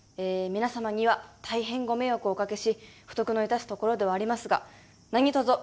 皆様には大変ご迷惑をおかけし不徳の致すところではありますが何とぞ